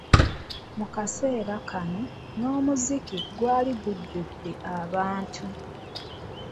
Mu kaseera kano n'omuziki gwali gujjudde abantu.